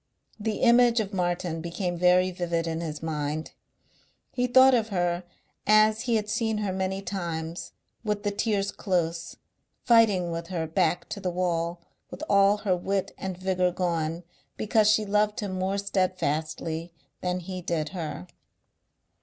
The image of Martin became very vivid in his mind. He thought of her as he had seen her many times, with the tears close, fighting with her back to the wall, with all her wit and vigour gone, because she loved him more steadfastly than he did her.